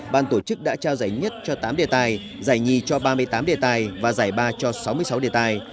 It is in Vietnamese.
ban tổ chức đã trao giải nhất cho tám đề tài giải nhì cho ba mươi tám đề tài và giải ba cho sáu mươi sáu đề tài